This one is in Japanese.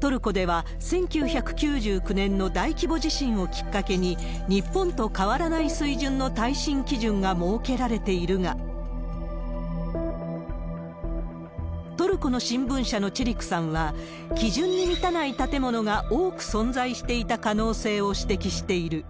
トルコでは１９９９年の大規模地震をきっかけに、日本と変わらない水準の耐震基準が設けられているが、トルコの新聞社のチェリクさんは、基準に満たない建物が多く存在していた可能性を指摘している。